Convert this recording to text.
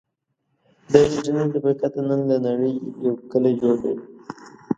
د انټرنټ له برکته، نن له نړې یو کلی جوړ دی.